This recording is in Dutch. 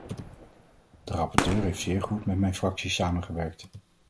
De rapporteur heeft zeer goed met mijn fractie samengewerkt.